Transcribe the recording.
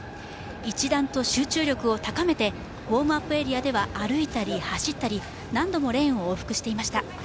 一段と集中力を高めてウォームアップエリアでは歩いたり走ったり何度もレーンを往復していました。